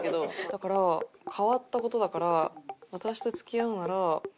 だから変わった事だから私と付き合うなら。